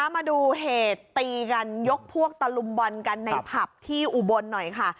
มาดูเหตุตีกันยกพวกตะลุมบอลกันในผับที่อุบลหน่อยค่ะ